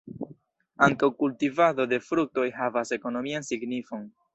Ankaŭ kultivado de fruktoj havas ekonomian signifon.